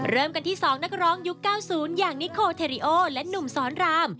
เริ่มกันที่๒นักร้องยุค๙๐อย่างนิโคเทริโอและหนุ่มสอนราม